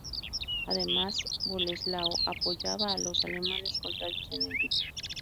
Además, Boleslao apoyaba a los alemanes contrarios a Enrique.